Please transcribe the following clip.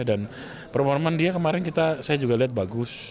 dan permomen dia kemarin saya juga lihat bagus